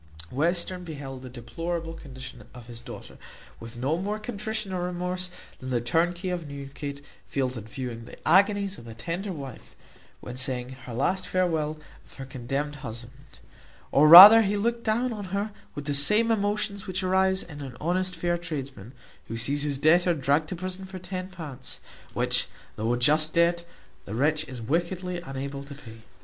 Western beheld the deplorable condition of his daughter with no more contrition or remorse than the turnkey of Newgate feels at viewing the agonies of a tender wife, when taking her last farewel of her condemned husband; or rather he looked down on her with the same emotions which arise in an honest fair tradesman, who sees his debtor dragged to prison for £10, which, though a just debt, the wretch is wickedly unable to pay.